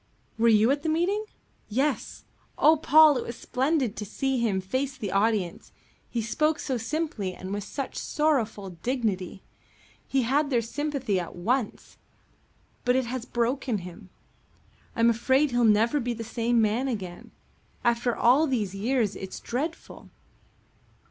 "Were you at the meeting?" "Yes. Oh, Paul, it was splendid to see him face the audience. He spoke so simply and with such sorrowful dignity. He had their sympathy at once. But it has broken him. I'm afraid he'll never be the same man again. After all these years it's dreadful."